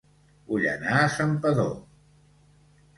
Vull anar a Santpedor